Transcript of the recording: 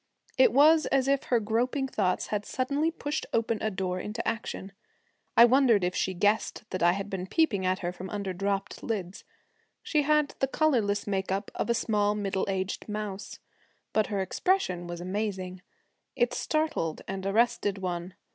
It was as if her groping thoughts had suddenly pushed open a door into action. I wondered if she guessed that I had been peeping at her from under dropped lids. She had the colorless make up of a small middle aged mouse, but her expression was amazing. It startled and arrested one.